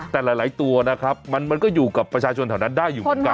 แต่หลายตัวนะครับมันก็อยู่กับประชาชนแถวนั้นได้อยู่เหมือนกัน